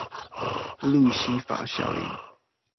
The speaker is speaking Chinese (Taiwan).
路西法效應